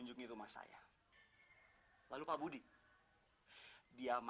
dunia kita sudah berbeda